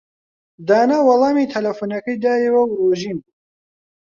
دانا وەڵامی تەلەفۆنەکەی دایەوە و ڕۆژین بوو.